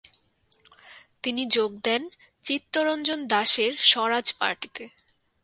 তিনি যোগ দেন চিত্তরঞ্জন দাসের স্বরাজ পার্টিতে।